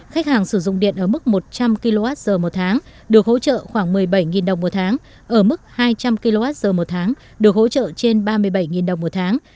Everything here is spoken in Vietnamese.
khách hàng sử dụng điện ở mức một trăm linh kwh một tháng được hỗ trợ khoảng một mươi bảy đồng một tháng ở mức hai trăm linh kwh một tháng được hỗ trợ trên ba mươi bảy đồng một tháng